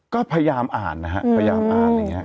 ก็พยายามอ่านนะฮะพยายามอ่านอะไรอย่างนี้